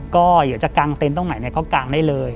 ก็หยุดจะกางเต้นตรงไหนก็กางได้เลย